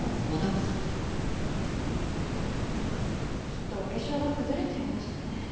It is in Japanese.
きっとお化粧が崩れちゃいましたね。